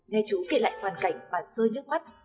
nghe chú kể lại hoàn cảnh mà rơi nước mắt